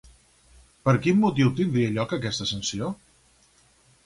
Per quin motiu tindria lloc aquesta sanció?